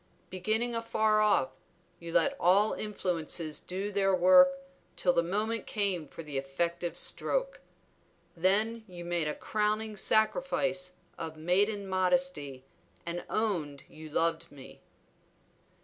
Beginning afar off, you let all influences do their work till the moment came for the effective stroke. Then you made a crowning sacrifice of maiden modesty and owned you loved me."